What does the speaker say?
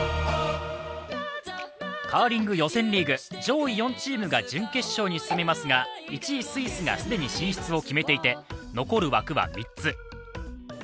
カーリング予選リーグ、上位４チームが準決勝に進みますが、１位・スイスが既に進出を決めていて残る枠は３つ。